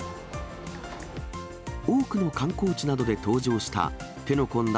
多くの観光地などで登場した、手の込んだ